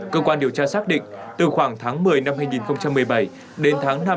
cơ quan điều tra xác định từ khoảng tháng một mươi năm hai nghìn một mươi bảy đến tháng năm hai nghìn một mươi